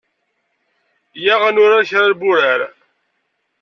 Yyaɣ ad nurar kra n wurar.